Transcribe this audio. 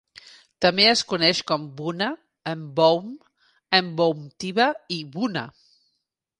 També es coneix com Buna, Mboum, Mboumtiba i Wuna.